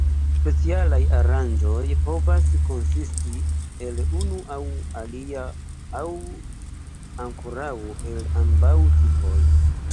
Specialaj aranĝoj povas konsisti el unu aŭ alia aŭ ankoraŭ el ambaŭ tipoj.